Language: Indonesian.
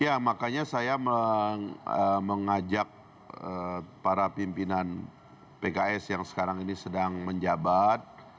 ya makanya saya mengajak para pimpinan pks yang sekarang ini sedang menjabat